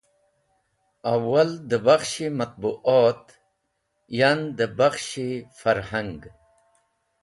Awal dẽ bakhsh-e matbu’ot, yan dẽ bakhsh-e farhang.